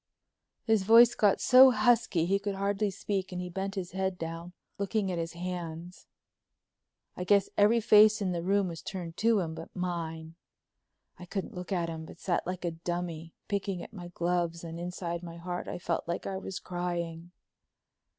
His voice got so husky he could hardly speak and he bent his head down, looking at his hands. I guess every face in the room was turned to him but mine. I couldn't look at him but sat like a dummy, picking at my gloves, and inside, in my heart, I felt like I was crying.